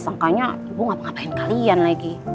sangkanya ibu gak pengapain kalian lagi